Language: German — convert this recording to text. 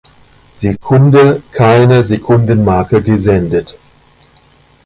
Sekunde keine Sekundenmarke gesendet.